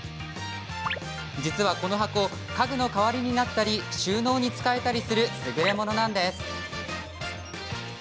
実はこの箱家具の代わりになったり収納に使えたりするすぐれものなんです。